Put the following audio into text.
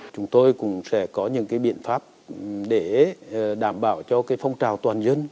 chúng tôi cũng sẽ có những biện pháp để đảm bảo cho phong trào toàn dân